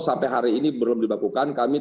sampai hari ini belum dibekukan kami